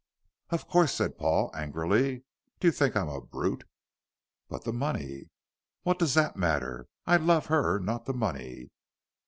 "Of course," said Paul, angrily; "do you think I'm a brute?" "But the money?" "What does that matter. I love her, not the money."